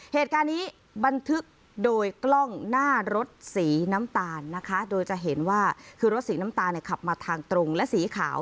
เหตุการณ์นี้บันทึกโดยกล้องหน้ารถสีน้ำตาลนะคะโดยจะเห็นว่าคือรถสีน้ำตาลเนี่ยขับมาทางตรงและสีขาว